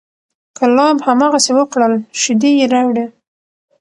کلاب هماغسې وکړل، شیدې یې راوړې،